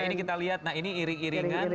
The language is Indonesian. ini kita lihat nah ini iring iringan